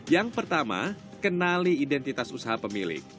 yang pertama kenali identitas usaha pemilik